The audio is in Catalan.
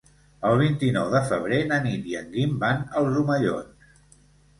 El vint-i-nou de febrer na Nit i en Guim van als Omellons.